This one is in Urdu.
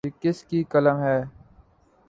یہ کس کی قلم ہے ؟